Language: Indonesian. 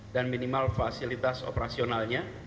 dan minimal fasilitas operasionalnya